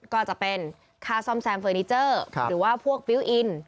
ก็จะเป็นค่าซ่อมแซมเฟอร์นิเจอร์หรือว่าพวกปิ้วอิน